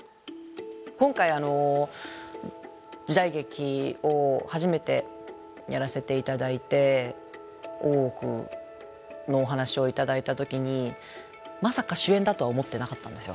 今回時代劇を初めてやらせて頂いて「大奥」のお話を頂いた時にまさか主演だとは思ってなかったんですよ